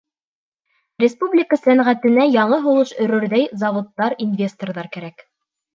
Республика сәнәғәтенә яңы һулыш өрөрҙәй заводтар, инвесторҙар кәрәк.